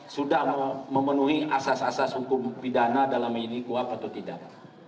sudah memenuhi asas asas hukum pidana dalam ini kuap atau tidak